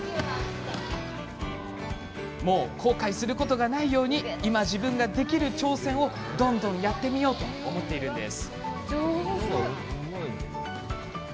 後悔することがないように今、自分ができる挑戦どんどんやってみようと思っているんです。